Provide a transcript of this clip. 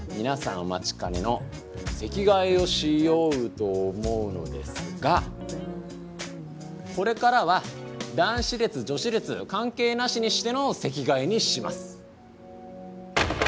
お待ちかねの席替えをしようと思うのですがこれからは男子列女子列関係なしにしての席替えにします。